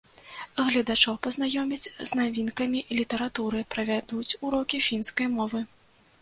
Гледачоў пазнаёмяць з навінкамі літаратуры, правядуць урокі фінскай мовы.